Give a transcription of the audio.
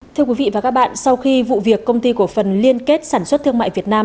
thưa quý vị và các bạn sau khi vụ việc công ty cổ phần liên kết sản xuất thương mại việt nam